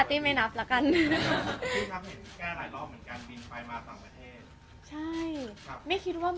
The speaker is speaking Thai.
ขอบคุณครับ